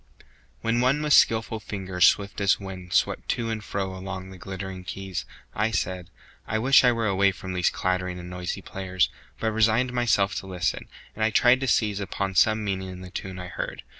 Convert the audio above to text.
WHEN one with skillful fingers swift as wind Swept to and fro along the glittering keys, I said: I wish I were away from these Clattering and noisy players! but resigned Myself to listen, and I tried to seize Upon some meaning in the tune I heard.